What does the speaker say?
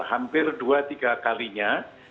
hampir dua tiga kalinya